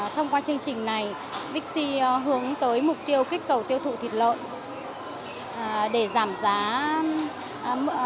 thông qua chương trình này bixi hướng tới mục tiêu kích cầu tiêu thụ thịt lợn